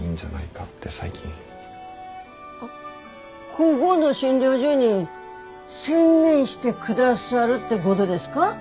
こごの診療所に専念してくださるってごどですか？